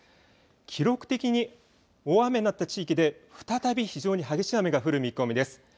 記録的に大雨になった地域で再び非常に激しい雨が降る見込みです。